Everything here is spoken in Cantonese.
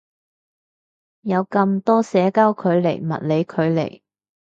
有咁多社交距離物理距離